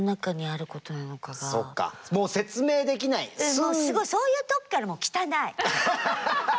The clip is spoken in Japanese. もうすごいそういうとこからもう汚い。